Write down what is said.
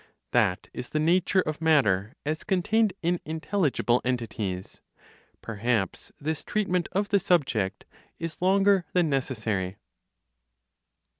That is the nature of matter as contained in intelligible (entities). Perhaps this treatment of the subject is longer than necessary.